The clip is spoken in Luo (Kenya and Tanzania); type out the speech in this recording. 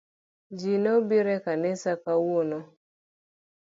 Jii ne obiro e kanisa kawuono